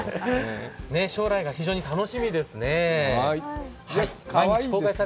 将来が非常に楽しみですね。